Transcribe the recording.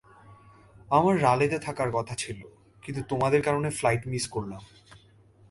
আমার রালেতে থাকার কথা ছিল, কিন্তু তোমাদের কারণে ফ্লাইট মিস করলাম।